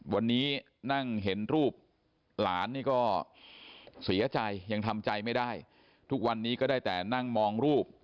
วันนี้นั่งเห็นรูปหลานนี่ก็เสียใจยังทำใจไม่ได้ทุกวันนี้ก็ได้แต่นั่งมองรูป